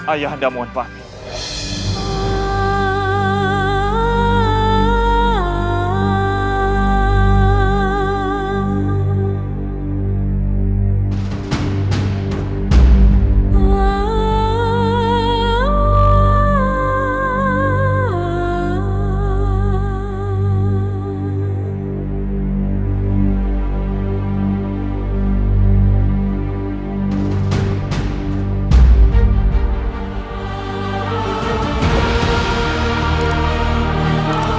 ayah danda mohon pahami